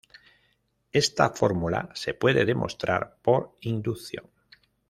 Esta fórmula se puede demostrar por inducción.